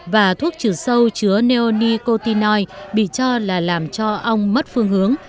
và thuốc trừ sâu chứa neonicotinoid bị cho là làm cho ong mất phương hướng